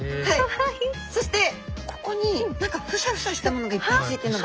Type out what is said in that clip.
そしてここに何かふさふさしたものがいっぱいついてるのが分かりますか？